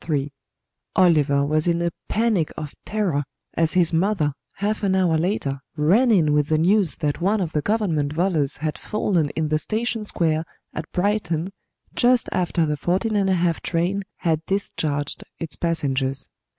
III Oliver was in a panic of terror as his mother, half an hour later, ran in with the news that one of the Government volors had fallen in the station square at Brighton just after the 14¹⁄₂ train had discharged its passengers.